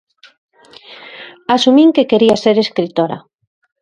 Asumín que quería ser escritora.